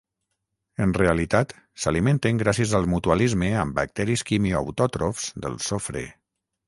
En realitat, s'alimenten gràcies al mutualisme amb bacteris quimioautòtrofs del sofre.